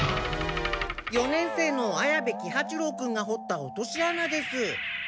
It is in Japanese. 四年生の綾部喜八郎君がほった落としあなです。